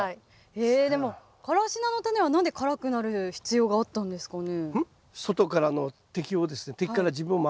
でもカラシナのタネは何で辛くなる必要があったんですかね？